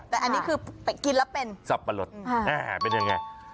แต่อันนี้คือกินแล้วเป็นสับปะรดเป็นยังไง